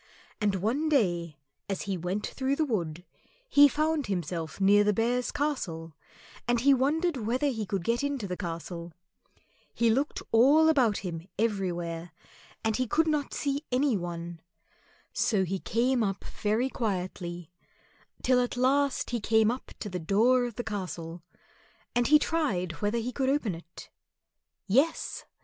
And one day as he went through the wood he found himself near the Bears' Castle, and he wondered whether he could get into the castle. He looked all about him everywhere, and he could not see any one. So he came up very quietly, till at last he came up to the door of the castle, and he tried whether he could open it. Yes!